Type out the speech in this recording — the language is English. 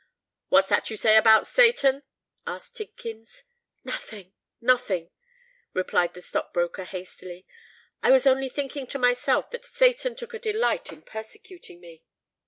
"What's that you say about Satan?" asked Tidkins. "Nothing—nothing," replied the stock broker, hastily: "I was only thinking to myself that Satan took a delight in persecuting me."